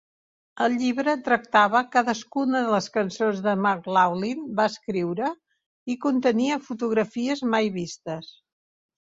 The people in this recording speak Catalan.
El llibre tractava cadascuna de les cançons que McLaughlin va escriure i contenia fotografies mai vistes.